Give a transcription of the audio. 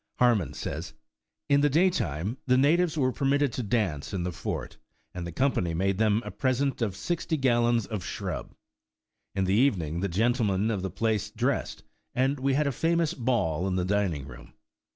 Harmon says: In the daytime the natives were permitted to dance in the fort, and the Company made them a present of sixty gallons of shrub. In the evening the gentlemen of the place dressed, and we had a famous ball in the dining room.